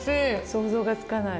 想像がつかない。